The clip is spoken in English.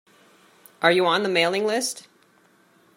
Are you on the mailing list?